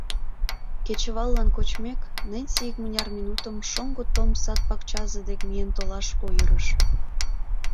Кечываллан кочмек, Ненси икмыняр минутым Шоҥго Том сад-пакчазе дек миен толаш ойырыш.